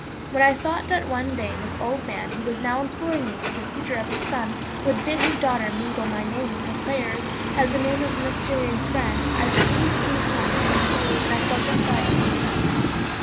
When I thought that one day this old man, who was now imploring me for the future of his son, would bid his daughter mingle my name with her prayers, as the name of a mysterious friend, I seemed to become transformed, and I felt a pride in myself.